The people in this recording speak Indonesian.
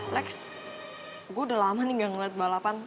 next gue udah lama nih gak ngeliat balapan